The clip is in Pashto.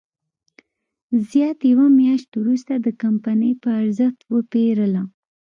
زیات یوه میاشت وروسته د کمپنۍ په ارزښت وپېرله.